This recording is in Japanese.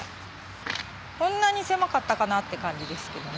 こんなに狭かったかな？って感じですけどね。